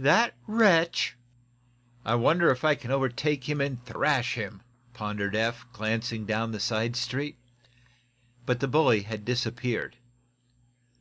"That wretch " "I wonder if I can overtake him and thrash him," pondered Eph, glancing down the side street. The bully had disappeared.